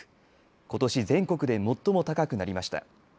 ことし全国で最も高くなりました。